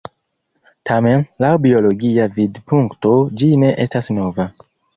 Tamen, laŭ biologia vidpunkto, ĝi ne estas nova.